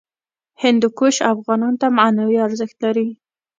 هندوکش افغانانو ته معنوي ارزښت لري.